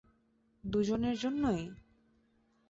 দুজনের জন্যই?